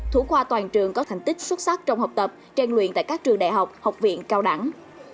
thủ khoa toàn trường có thành tích xuất sắc trong học tập trang luyện tại các trường đại học học viện cao đẳng